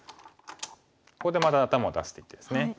ここでまた頭を出していってですね。